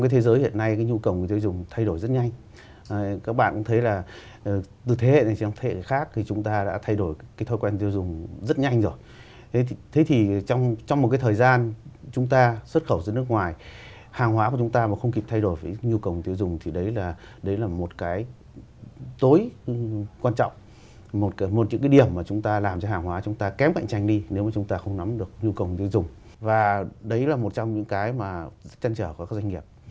và đấy là một trong những cái mà rất trăn trở của các doanh nghiệp